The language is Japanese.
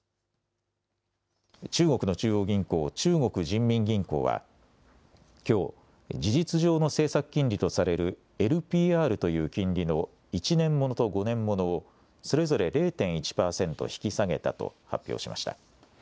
中国の中央銀行、中国人民銀行は、きょう、事実上の政策金利とされるＬＰＲとという金利の１年ものと５年ものをそれぞれ０．１％引き下げたと発表しました。